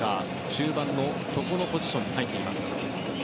中盤の底のポジションに入っています。